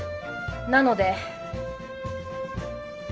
なので。